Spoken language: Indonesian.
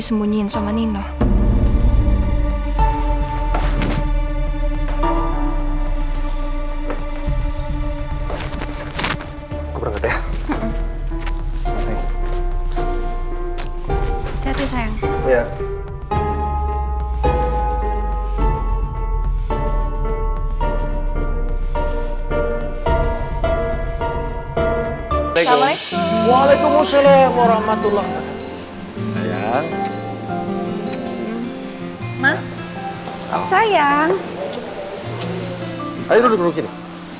kamu gimana sehat kan